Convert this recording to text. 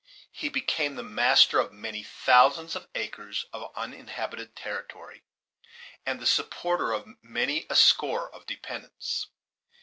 He became the master of many thousands of acres of uninhabited territory, and the supporter of many a score of dependents.